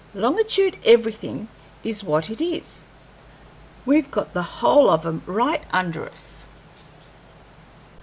Longitude everything is what it is; we've got the whole of 'em right under us."